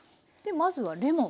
まずはレモン。